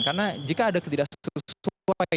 karena jika ada ketidaksesuaian